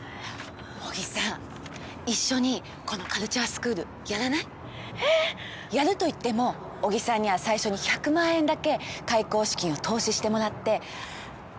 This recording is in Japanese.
小木さん一緒にこのカルチャースクールやらない？えっ？やると言っても小木さんには最初に１００万円だけ開校資金を投資してもらって。